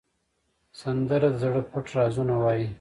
سندره د زړه پټ رازونه وایي